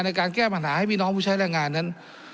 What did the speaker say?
ในการแก้ปัญหาให้พี่น้องผู้ใช้แรงงานนั้น